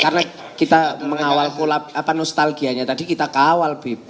karena kita mengawal kulab apa nostalgianya tadi kita kawal bip